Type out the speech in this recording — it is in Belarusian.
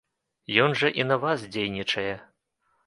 Ён жа і на вас дзейнічае.